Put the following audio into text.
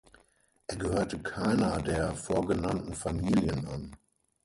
Er gehörte keiner der vorgenannten Familien an.